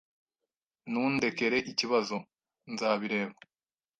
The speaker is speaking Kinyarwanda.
Nundekere ikibazo. Nzabireba.